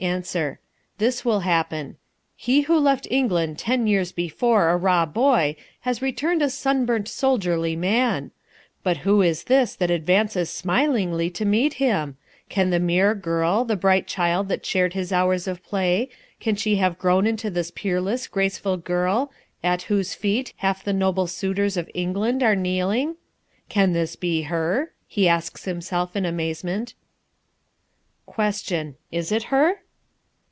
Answer. This will happen: "He who left England ten years before a raw boy, has returned a sunburnt soldierly man. But who is this that advances smilingly to meet him? Can the mere girl, the bright child that shared his hours of play, can she have grown into this peerless, graceful girl, at whose feet half the noble suitors of England are kneeling? 'Can this be her?' he asks himself in amazement." Question. Is it her?